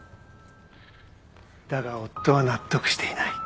だが夫は納得していない。